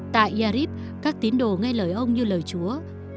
tại yarif các tín đồ nghe lời ông như lời chúa